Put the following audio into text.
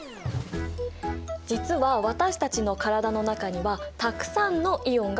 実は私たちの体の中にはたくさんのイオンが含まれている。